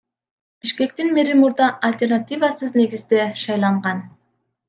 Бишкектин мэри мурда альтернативасыз негизде шайланган.